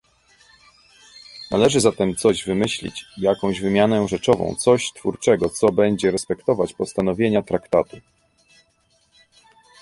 Należy zatem coś wymyślić, jakąś wymianę rzeczową, coś twórczego, co będzie respektować postanowienia traktatu